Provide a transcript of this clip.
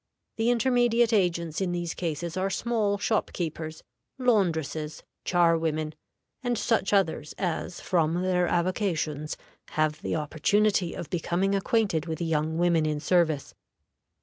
The intermediate agents in these cases are small shop keepers, laundresses, charwomen, and such others as from their avocations have the opportunity of becoming acquainted with young women in service.